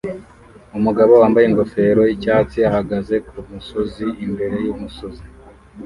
Umugabo wambaye ingofero yicyatsi ahagaze kumusozi imbere yumusozi